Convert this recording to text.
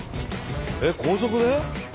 えっ高速で？